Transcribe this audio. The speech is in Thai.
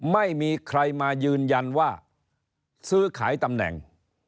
ไม่มีใครมายืนยันว่าซื้อขายตำแหน่ง